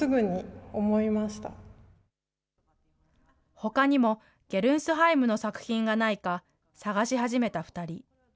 ほかにもゲルンスハイムの作品がないか探し始めた２人。